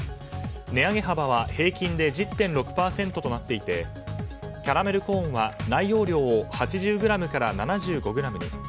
値上げ幅は平均で１０．６％となっていてキャラメルコーンは内容量を８０ｇから７５ｇに。